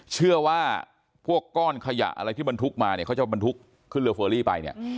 เชื่อว่าพวกก้อนขยะอะไรที่บรรทุกมาเนี่ยเขาจะบรรทุกขึ้นเรือเฟอรี่ไปเนี่ย